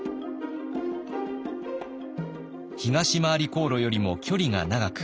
東廻り航路よりも距離が長く